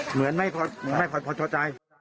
เหมือนไม่พอชอบใจ